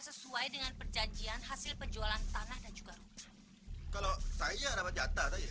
sesuai dengan perjanjian hasil penjualan tanah dan juga rumah kalau saya dapat data